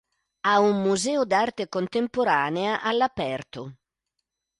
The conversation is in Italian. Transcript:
Ha un Museo d'Arte contemporanea all'Aperto.